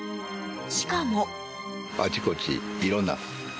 しかも。